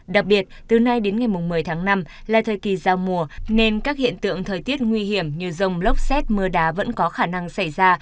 đặc biệt từ nay đến ngày một mươi tháng năm là thời kỳ giao mùa nên các hiện tượng thời tiết nguy hiểm như rông lốc xét mưa đá vẫn có khả năng xảy ra